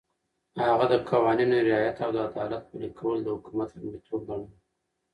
هغه د قوانينو رعایت او د عدالت پلي کول د حکومت لومړيتوب ګڼله.